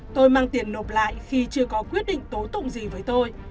tôi mang tiền nộp lại khi chưa có quyết định tố tụng gì với tôi